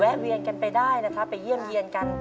เวียนกันไปได้นะครับไปเยี่ยมเยี่ยนกัน